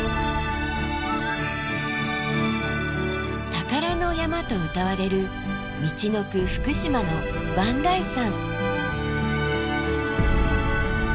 宝の山とうたわれるみちのく福島の磐梯山。